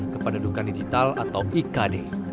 kepada duka digital atau ikd